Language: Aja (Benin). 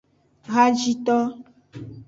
Hajito.